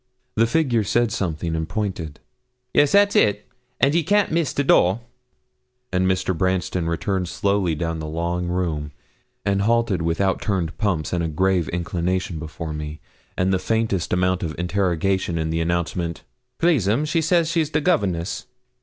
The figure said something and pointed. 'Yes, that's it, and ye can't miss the door.' And Mr. Branston returned slowly down the long room, and halted with out turned pumps and a grave inclination before me, and the faintest amount of interrogation in the announcement 'Please, 'm, she says she's the governess.'